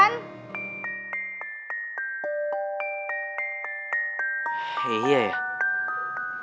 nge gue tuh enggak kenapen apa